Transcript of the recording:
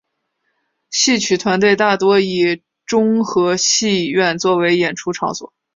戏曲团体大多以中和戏院作为演出场所。